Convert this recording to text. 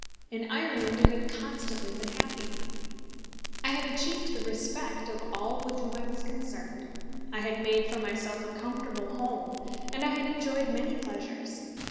In Ireland it had constantly been happy. I had achieved the respect of all with whom I was concerned, I had made for myself a comfortable home, and I had enjoyed many pleasures.